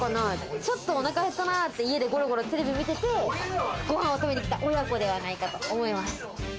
ちょっとお腹へったなって、家でゴロゴロテレビ見てて、ごはんを食べに来た親子ではないかと思います。